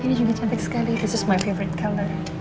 ini juga cantik sekali ini juga cantik sekali